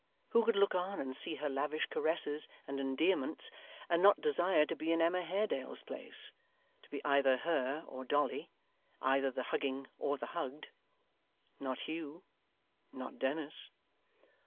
Who could look on and see her lavish caresses and endearments, and not desire to be in Emma Haredale's place; to be either her or Dolly; either the hugging or the hugged? Not Hugh. Not Dennis.